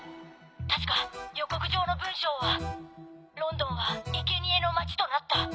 確か予告状の文章は「ロンドンは生贄の街となった」